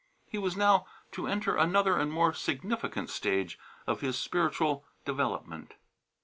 He was now to enter another and more significant stage of his spiritual development.